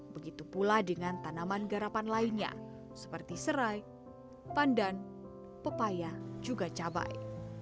begitu pula dengan tanaman garapan lainnya seperti serai pandan pepaya juga cabai